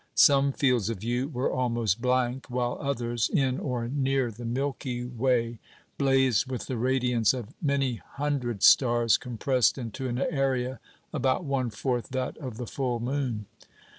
Some fields of view were almost blank, while others (in or near the Milky Way) blazed with the radiance of many hundred stars compressed into an area about one fourth that of the full moon.